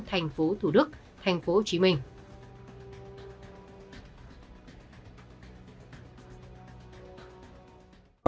thành phố thủ đức thành phố hồ chí minh